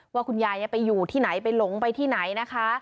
ว่าคุณยายไปอยู่ที่ไหนไปหลงไปที่ไหนนะคะ